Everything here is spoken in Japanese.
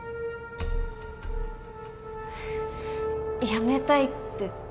辞めたいって。